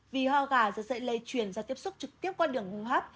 vì hoa gà rất dễ lây chuyển ra tiếp xúc trực tiếp qua đường hương hấp